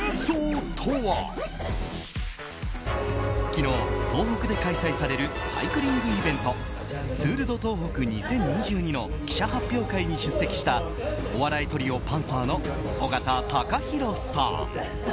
昨日、東北で開催されるサイクリングイベントツール・ド・東北２０２２の記者発表会に出席したお笑いトリオパンサーの尾形貴弘さん。